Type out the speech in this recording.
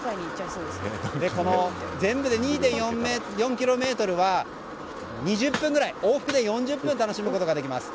この全部で２．４ｋｍは２０分ぐらい、往復で４０分楽しむことができます。